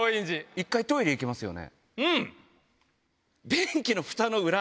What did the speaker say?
一回トイレ行きますよね。